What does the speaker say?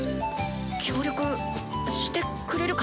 協力してくれるかな。